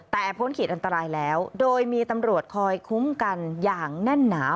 แต่พ้นขีดอันตรายแล้วโดยมีตำรวจคอยคุ้มกันอย่างแน่นหนา